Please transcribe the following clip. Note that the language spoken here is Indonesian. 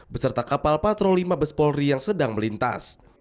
beserta kapal patroli mabes polri yang sedang melintas